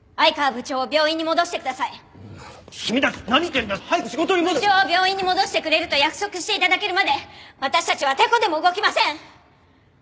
部長を病院に戻してくれると約束して頂けるまで私たちはてこでも動きません！